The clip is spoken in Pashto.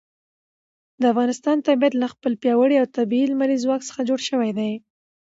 د افغانستان طبیعت له خپل پیاوړي او طبیعي لمریز ځواک څخه جوړ شوی دی.